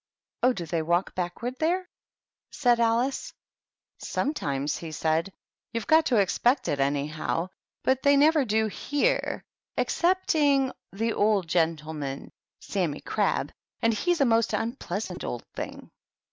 "Oh, do they walk backward there?" said Alice. " Sometimes," he said. " You've got to expect it, anyhow ; but they never do here, excepting THE TEA TABLE. 81 the old gentleman, Sammy Crab, and he's a most unpleasant old thing."